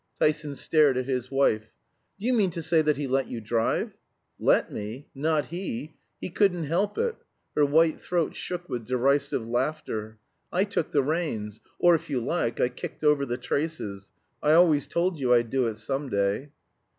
Tyson stared at his wife. "Do you mean to say that he let you drive?" "Let me? Not he! He couldn't help it." Her white throat shook with derisive laughter. "I took the reins; or, if you like, I kicked over the traces. I always told you I'd do it some day."